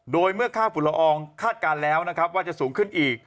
โดยเมื่อค่าฝุ่นละอองคาดการณ์แล้วนะครับว่าจะสูงขึ้นอีก